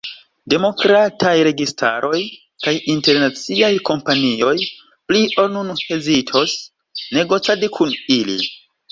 Demokrataj registaroj kaj internaciaj kompanioj pli ol nun hezitos, negocadi kun ili.